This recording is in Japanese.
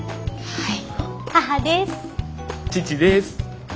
はい。